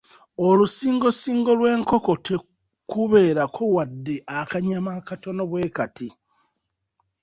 Olusingosingo lw'enkoko tekubeerako wadde akanyama akatono bwe kati.